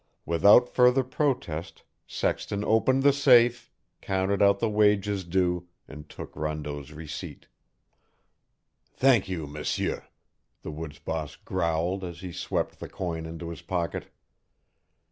Without further protest Sexton opened the safe, counted out the wages due, and took Rondeau's receipt. "Thank you, M'sieur," the woods boss growled as he swept the coin into his pocket.